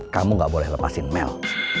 kamu gak boleh lepasin mel